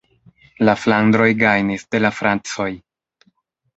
La flandroj gajnis de la francoj.